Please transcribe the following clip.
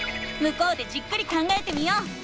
向こうでじっくり考えてみよう。